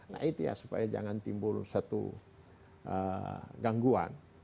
nah itu ya supaya jangan timbul satu gangguan